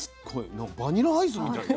なんかバニラアイスみたいよ。